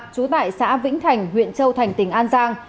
trú tại xã vĩnh thành huyện châu thành tỉnh an giang